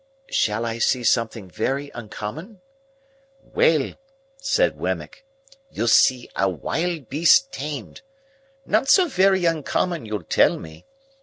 "Shall I see something very uncommon?" "Well," said Wemmick, "you'll see a wild beast tamed. Not so very uncommon, you'll tell me.